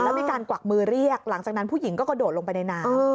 แล้วมีการกวักมือเรียกหลังจากนั้นผู้หญิงก็กระโดดลงไปในน้ำ